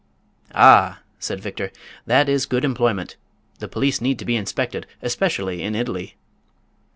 "Ah," said Victor, "that is a good employment. The police need to be inspected, especially in Italy."